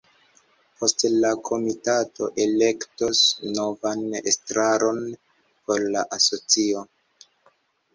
Poste la komitato elektos novan estraron por la asocio.